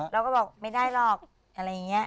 เราก็บอกไม่ได้หรอกอะไรอย่างนี้